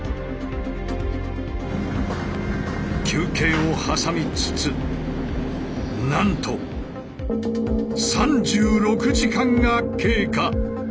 休憩を挟みつつなんと３６時間が経過。